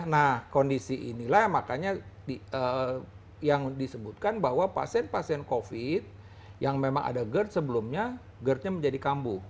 nah kondisi inilah makanya yang disebutkan bahwa pasien pasien covid yang memang ada gerd sebelumnya gerdnya menjadi kambuh